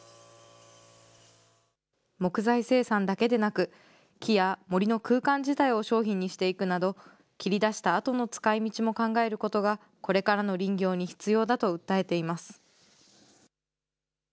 木材生産だけでなく、木や森の空間自体を商品にしていくなど、切り出したあとの使いみちも考えることがこれからの林業に必要だと訴えています。